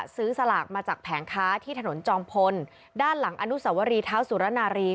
สลากมาจากแผงค้าที่ถนนจอมพลด้านหลังอนุสวรีเท้าสุรนารี